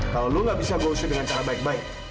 kalau lo gak bisa gue share dengan cara baik baik